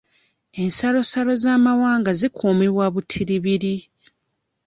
Ensalosalo z'amawanga zikuumibwa butiribiri.